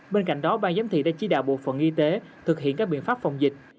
bên cạnh đó ban giám thị đã chỉ đạo bộ phận y tế thực hiện các biện pháp phòng dịch